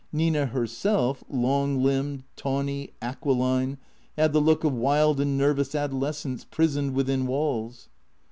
Nina herself, long limbed, tawny, aquiline, had the look of wild and nervous adolescence prisoned within walls.